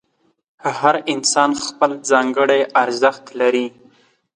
هر انسان خپل ځانګړی ارزښت لري.